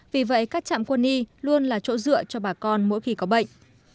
vì vậy các trạm quân y luôn là chỗ dựa cho bà con mỗi khi có bệnh